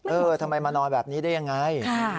เออทำไมมานอนแบบนี้ได้ยังไง